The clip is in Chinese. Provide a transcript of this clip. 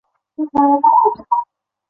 李继韬少年时就狡狯无赖。